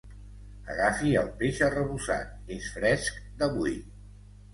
Agafi el peix arrebossat, és fresc d'avui.